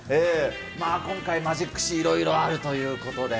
まあ、今回、マジック史いろいろあるということで。